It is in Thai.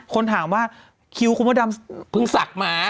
คนถามว่าคิวคุณหมดดำเพิ่งสักมา